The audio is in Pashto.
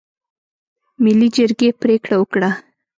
ملي جرګې پرېکړه وکړه.